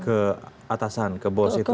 ke atasan ke bos itu